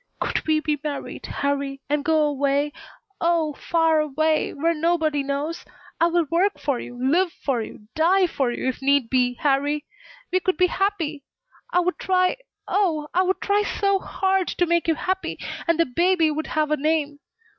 "Could we be married, Harrie, and go away, oh, far away, where nobody knows? I will work for you live for you die for you, if need be, Harrie! We could be happy. I would try oh, I would try so hard to make you happy, and the baby would have a name.